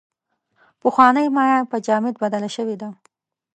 پخوانۍ مایع په جامد بدله شوې ده.